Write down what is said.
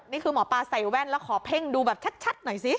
นี่คือหมอปลาใส่แว่นแล้วขอเพ่งดูแบบชัดหน่อยสิ